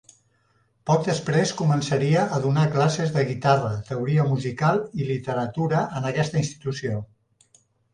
Poc després començaria a donar classes de guitarra, teoria musical i literatura en aquesta institució.